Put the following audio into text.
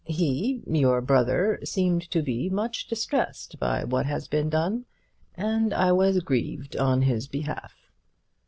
He, your brother, seemed to be much distressed by what has been done, and I was grieved on his behalf.